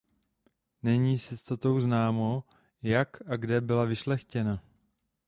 Není s jistotou známo jak a kde byla vyšlechtěna.